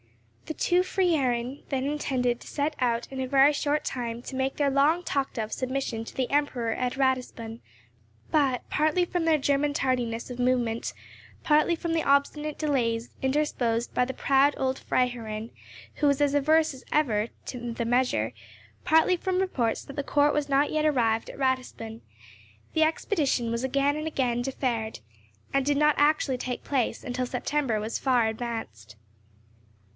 The two Freiherren then intended to set out in a very short time to make their long talked of submission to the Emperor at Ratisbon; but, partly from their German tardiness of movement, partly from the obstinate delays interposed by the proud old Freiherrinn, who was as averse as ever to the measure, partly from reports that the Court was not yet arrived at Ratisbon, the expedition was again and again deferred, and did not actually take place till September was far advanced.